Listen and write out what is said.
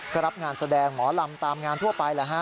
ก็รับงานแสดงหมอลำตามงานทั่วไปแหละฮะ